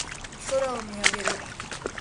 空を見上げる。